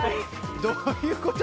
どういうこと？